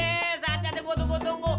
eh saatnya deput tunggu tunggu